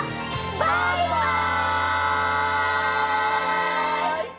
バイバイ！